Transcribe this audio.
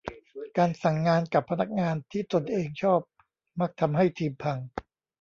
การสั่งงานกับพนักงานที่ตนเองชอบมักทำให้ทีมพัง